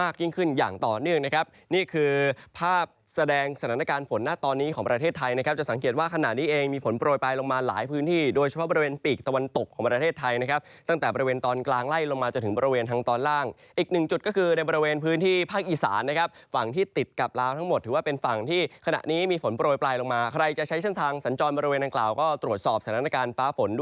คือภาพแสดงสถานการณ์ฝนหน้าตอนนี้ของประเทศไทยนะครับจะสังเกตว่าขณะนี้เองมีฝนโปรยไปลงมาหลายพื้นที่โดยเฉพาะบริเวณปีกตะวันตกของประเทศไทยนะครับตั้งแต่บริเวณตอนกลางไล่ลงมาจะถึงบริเวณทางตอนล่างอีกหนึ่งจุดก็คือในบริเวณพื้นที่ภาคอีสานนะครับฝั่งที่ติดกับราวทั้งหมด